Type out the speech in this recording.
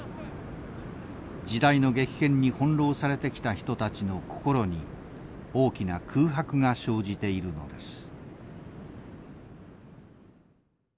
時代の激変に翻弄されてきた人たちの心に大きな空白が生じているのです。